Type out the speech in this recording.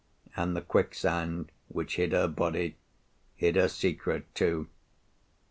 And the Quicksand, which hid her body, hid her secret too.